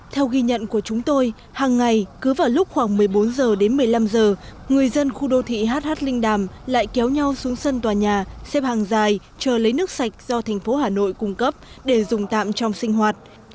theo ghi nhận của chúng tôi hàng ngày cứ vào lúc khoảng một mươi bốn h đến một mươi năm h người dân khu đô thị hh linh đàm lại kéo nhau xuống sân tòa nhà xếp hàng dài chờ lấy nước sạch do thành phố hà nội cung cấp để dùng tạm trong sinh hoạt